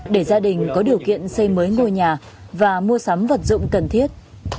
để gia đình có điều kiện xây mới ngôi nhà và mua sắm vật dụng cần thiết